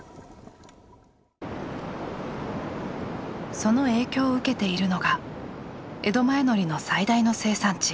その影響を受けているのが江戸前海苔の最大の生産地